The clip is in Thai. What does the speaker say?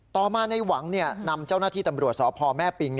ต่อมาในหวังนำเจ้าหน้าที่ตำรวจสพแม่ปิง